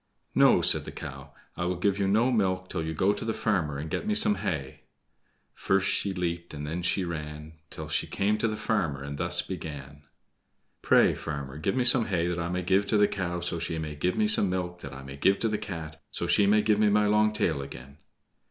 "No," said the cow, "I will give you no milk till you go to the farmer and get me some hay." First she leaped, and then she ran, Till she came to the farmer, and thus began: "Pray, farmer, give me some hay that I may give to the cow, so she may give me some milk that I may give to the Cat, so she may give me my long tail again."